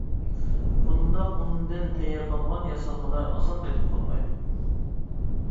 بۇنداق ئۇندىن تەييارلانغان ياسالمىلار ئاسان قېتىپ قالمايدۇ.